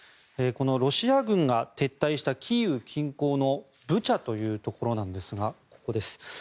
このロシア軍が撤退したキーウ近郊のブチャというところなんですがここです。